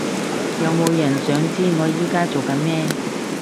有冇人想知我而家做緊咩？